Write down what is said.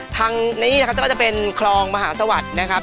ทางนี้นะครับก็จะเป็นคลองมหาสวัสดิ์นะครับ